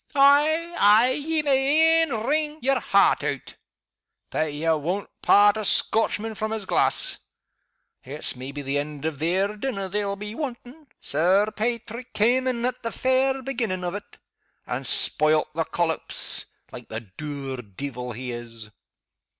"Ay! ay! ye may e'en ring yer heart out but ye won't part a Scotchman from his glass. It's maybe the end of their dinner they'll be wantin'. Sir Paitrick cam' in at the fair beginning of it, and spoilt the collops, like the dour deevil he is!"